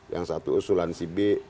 yang satu usulan si b